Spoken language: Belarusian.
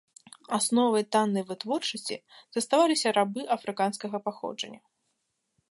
Асновай таннай вытворчасці заставаліся рабы афрыканскага паходжання.